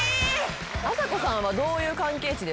あさこさんはどういう関係値ですか？